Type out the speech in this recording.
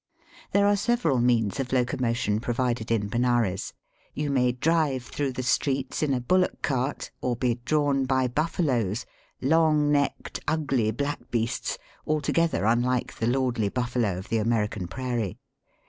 There are several means of locomotion pro vided in Benares. You may drive through the streets in a bullock cart or be drawn by buJBFaloes — long necked, ugly, black beasts, altogether unlike the lordly buffalo of the American prairie.